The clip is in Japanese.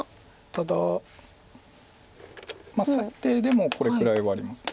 ただ最低でもこれくらいはあります。